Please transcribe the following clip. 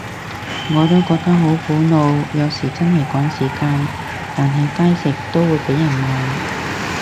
我都覺得好苦惱，有時真係趕時間，但喺街食都會被人望